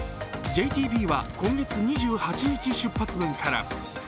ＪＴＢは今月２８日出発分から。